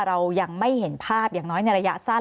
เรายังไม่เห็นภาพอย่างน้อยในระยะสั้น